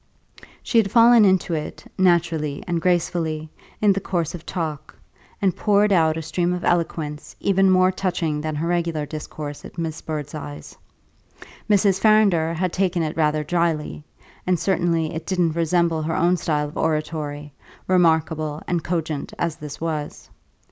She had fallen into it, naturally and gracefully, in the course of talk, and poured out a stream of eloquence even more touching than her regular discourse at Miss Birdseye's. Mrs. Farrinder had taken it rather dryly, and certainly it didn't resemble her own style of oratory, remarkable and cogent as this was.